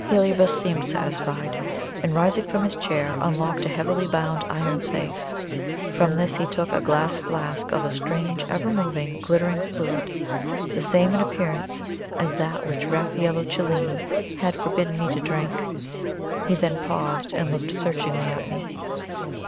Heliobas seemed satisfied, and rising from his chair, unlocked a heavily bound iron safe. From this he took a glass flask of a strange, ever moving, glittering fluid, the same in appearance as that which Raffaello Cellini had forbidden me to drink. He then paused and looked searchingly at me.